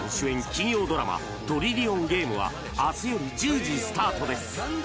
金曜ドラマ「トリリオンゲーム」は明日夜１０時スタートです